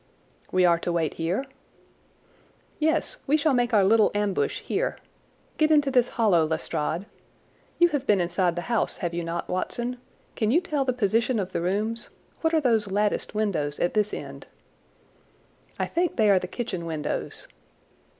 "We are to wait here?" "Yes, we shall make our little ambush here. Get into this hollow, Lestrade. You have been inside the house, have you not, Watson? Can you tell the position of the rooms? What are those latticed windows at this end?" "I think they are the kitchen windows."